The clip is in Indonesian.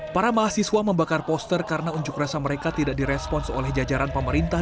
para mahasiswa membakar poster karena unjuk rasa mereka tidak direspons oleh jajaran pemerintah